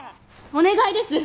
お願いです！